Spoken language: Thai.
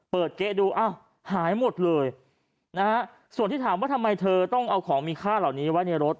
เก๊ะดูอ้าวหายหมดเลยนะฮะส่วนที่ถามว่าทำไมเธอต้องเอาของมีค่าเหล่านี้ไว้ในรถ